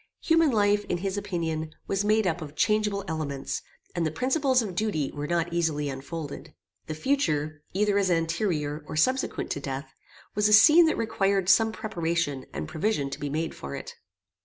Human life, in his opinion, was made up of changeable elements, and the principles of duty were not easily unfolded. The future, either as anterior, or subsequent to death, was a scene that required some preparation and provision to be made for it.